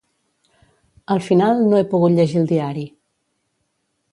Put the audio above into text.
Al final, no he pogut llegir el diari.